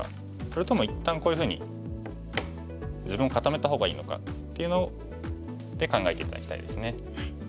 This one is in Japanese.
それとも一旦こういうふうに自分を固めた方がいいのかっていうのをで考えて頂きたいですね。